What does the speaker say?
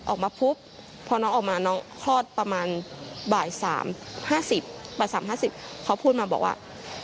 ออกมาปุ๊บพอน้องออกมาน้องคลอดประมาณบ่าย๓๕๐บ่าย๓๕๐เขาพูดมาบอกว่า